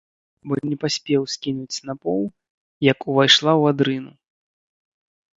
Бо не паспеў скінуць снапоў, як увайшла ў адрыну.